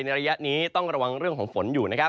ในระยะนี้ต้องระวังเรื่องของฝนอยู่